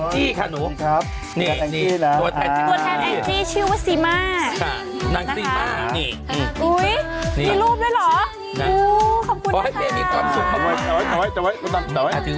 โหอไว้มาให้รุ่งเรือง